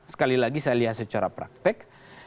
sekali lagi saya lihat secara praktek